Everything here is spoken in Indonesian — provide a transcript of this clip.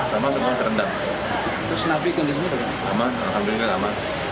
sama dengan terendam